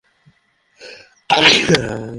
আত্মা, পন্ডিতি কথার জন্য তোমায় ধন্যবাদ।